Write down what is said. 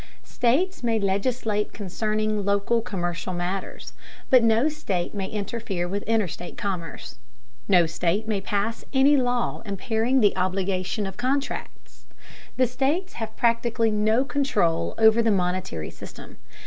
_ States may legislate concerning local commercial matters, but no state may interfere with interstate commerce. No state may pass any law impairing the obligation of contracts. The states have practically no control over the monetary system.